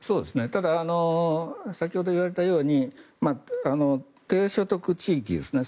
ただ、先ほど言われたように低所得地域ですね。